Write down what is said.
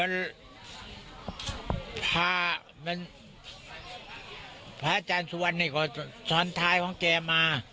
มันพามันพระอาจารย์สุวรรณที่สอนทายของแกมา